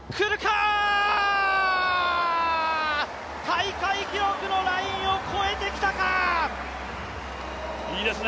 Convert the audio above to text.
大会記録のラインを越えてきたかー！